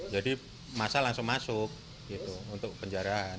jadi masa langsung masuk gitu untuk penjaraan